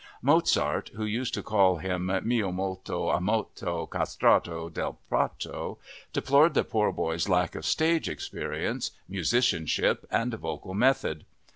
Mozart, who used to call him "mio molto amato castrato Del Prato," deplored the poor boy's lack of stage experience, musicianship, and vocal method.